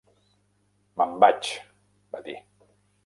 "Me'n vaig", va dir.